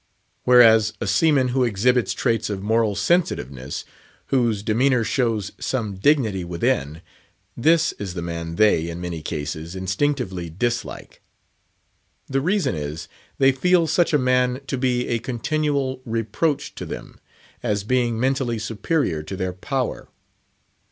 Whereas, a seaman who exhibits traits of moral sensitiveness, whose demeanour shows some dignity within; this is the man they, in many cases, instinctively dislike. The reason is, they feel such a man to be a continual reproach to them, as being mentally superior to their power.